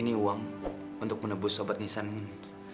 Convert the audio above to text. ini uang untuk menebus obat nisa nenek